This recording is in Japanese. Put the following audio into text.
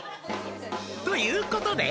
「ということで」